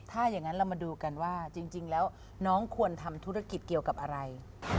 ถ้าอย่างนั้นเรามาดูกันว่าจริงแล้วน้องควรทำธุรกิจเกี่ยวกับอะไร